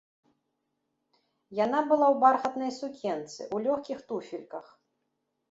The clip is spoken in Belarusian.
Яна была ў бархатнай сукенцы, у лёгкіх туфельках.